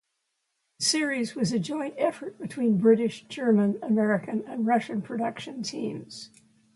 The series was a joint effort between British, German, American and Russian production teams.